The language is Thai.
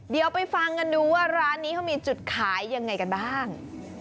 เดี๋ยวไปฟังกันดูว่าร้านนี้เขามีจุดขายยังไงกันบ้าง